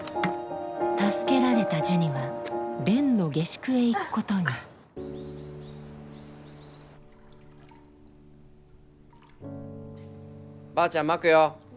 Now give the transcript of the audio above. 助けられたジュニは蓮の下宿へ行くことにばあちゃんまくよ。どいて。